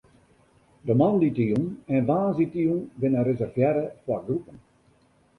De moandeitejûn en woansdeitejûn binne reservearre foar groepen.